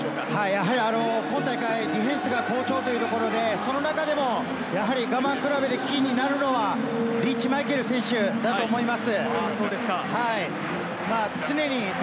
やはり今大会はディフェンスが好調ということでその中でも我慢比べでキーになるのはリーチ・マイケル選手だと思います。